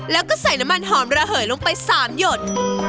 แล้วก็ใส่น้ำมันหอมระเหยลงไป๓หยด